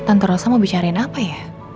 tante rosa mau bicarain apa ya